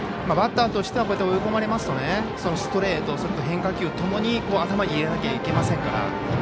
バッターとしては追い込まれますとストレート、変化球ともに頭に入れなきゃいけませんから。